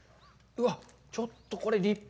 うわっ、ちょっとこれ、立派。